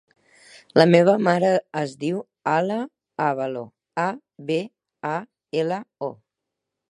La meva mare es diu Alaa Abalo: a, be, a, ela, o.